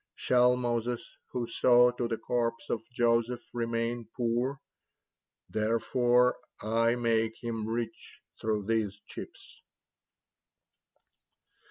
Shall Moses, who saw to the corpse of Joseph, remain poor? Therefore will I make him rich through these chips."